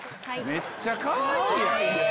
めっちゃかわいいやん！